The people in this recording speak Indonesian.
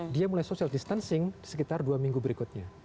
dia mulai social distancing sekitar dua minggu berikutnya